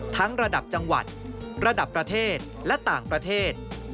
ระดับจังหวัดระดับประเทศและต่างประเทศ